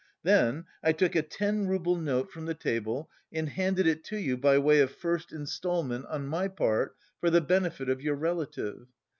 Then I took a ten rouble note from the table and handed it to you by way of first instalment on my part for the benefit of your relative.